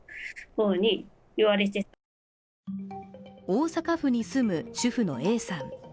大阪府に住む主婦のＡさん。